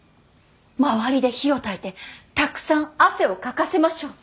周りで火をたいてたくさん汗をかかせましょう。